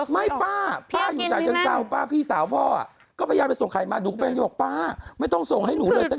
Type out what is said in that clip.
ไม่ยิ่งร้อนมันยังออกหรือเปล่าก็ไม่รู้อะ